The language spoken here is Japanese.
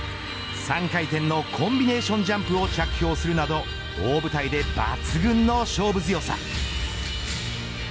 ３回転のコンビネーションジャンプを着氷するなど大舞台で抜群の勝負強さ。